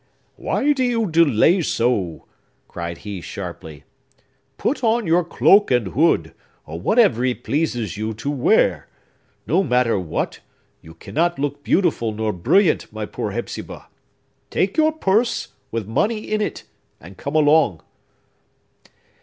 "Why do you delay so?" cried he sharply. "Put on your cloak and hood, or whatever it pleases you to wear! No matter what; you cannot look beautiful nor brilliant, my poor Hepzibah! Take your purse, with money in it, and come along!"